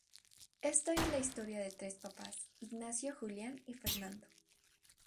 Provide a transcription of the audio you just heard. Esta es la historia de tres papás: Ignacio, Julián y Fernando.